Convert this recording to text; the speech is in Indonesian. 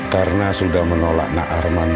karena sudah menolak nak arman